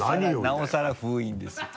なおさら封印ですよ。